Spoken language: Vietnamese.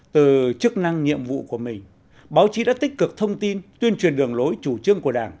từ chức năng nhiệm vụ của mình báo chí đã tích cực thông tin tuyên truyền đường lối chủ trương của đảng